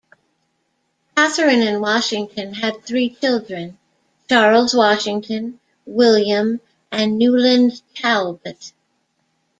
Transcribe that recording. Katharine and Washington had three children: Charles Washington, William, and Newland Talbot.